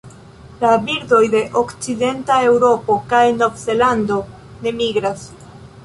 La birdoj de okcidenta Eŭropo kaj Novzelando ne migras.